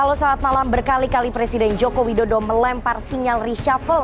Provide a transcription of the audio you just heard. halo saat malam berkali kali presiden jokowi dodo melempar sinyal reshuffle